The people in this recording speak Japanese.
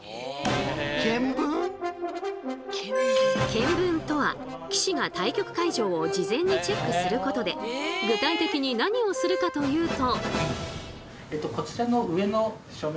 検分とは棋士が対局会場を事前にチェックすることで具体的に何をするかというと。